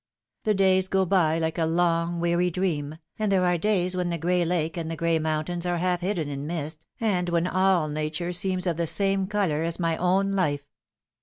The days go by like a long weary dream, and there are days when the gray lake and the gray mountains are half hidden in mist, and when all Nature seems of the same colour as my own lif e.